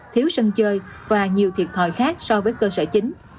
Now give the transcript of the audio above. thiếu sân chơi và nhiều thiệt thòi khác so với cơ sở chính